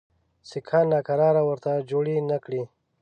سیکهان ناکراري ورته جوړي نه کړي.